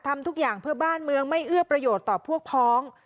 ทำทุกอย่างเพื่อบ้านเมืองไม่เอื้อประโยชน์ต่อพวกพ้อง